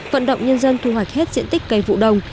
vận động nhân dân thu hoạch hết diện tích cây vụ đông